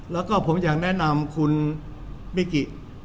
แล้วก็ผมอยากแนะนำคุณมิกิ